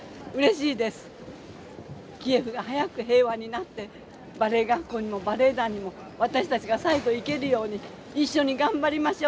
キーウが早く平和になってバレエ学校にもバレエ団にも私たちが再度行けるように一緒に頑張りましょう！